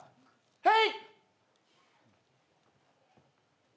はい。